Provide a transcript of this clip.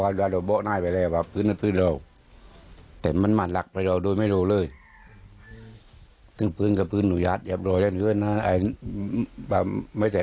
ซึ่งพื้นกับพื้นหนูอยาดอย่าบร่อยกันขึ้นเนี้ยไม่แตด